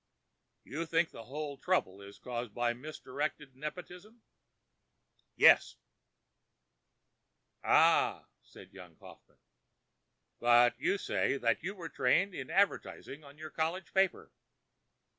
"You think the whole trouble is caused by misdirected nepotism." "Yes." "Ah——" It was young Kaufmann again. "But you said that you were trained in advertising on your college paper."